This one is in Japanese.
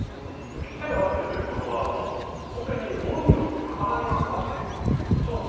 ぴったり合わせるということはもうほんとにものによって型紙が変わっていくっていうことなんですか？